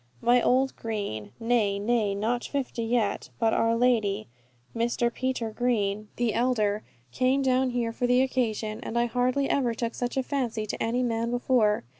Old Mr. Green, nay, nay, not fifty yet, by our Lady, Mr. Peter Green the elder, came down here for the occasion, and I hardly ever took such a fancy to any man before.